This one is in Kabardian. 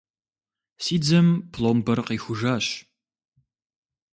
Си дзэм пломбэр къихужащ.